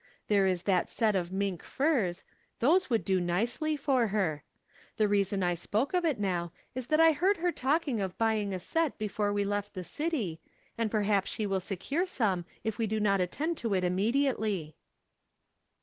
There is that set of mink furs ; those would do nicely for her. The reason I spoke of it now is that I heard her talking of From Different Standpoints. 293 buying a set before we left the city, and perhaps she will secure some if we do not attend to it im mediately."